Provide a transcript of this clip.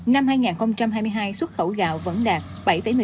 năm hai nghìn hai mươi hai xuất khẩu gạo vẫn đạt